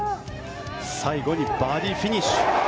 最後にバーディーフィニッシュ。